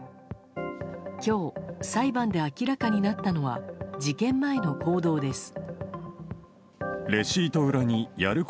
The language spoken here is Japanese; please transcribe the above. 今日、裁判で明らかになったのは事件前の行動です。